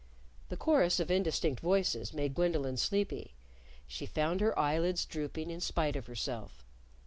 The chorus of indistinct voices made Gwendolyn sleepy. She found her eyelids drooping in spite of herself.